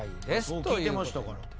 そう聞いてましたから。